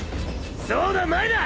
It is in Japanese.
そうだ前だ！